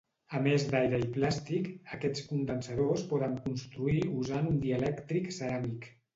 A més d'aire i plàstic, aquests condensadors poden construir usant un dielèctric ceràmic.